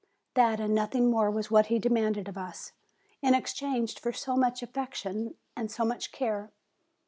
That and nothing more was what he de manded of us, in exchange for so much affection and so much care!